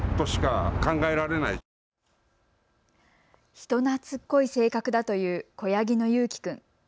人なつっこい性格だという子ヤギのユーキくん。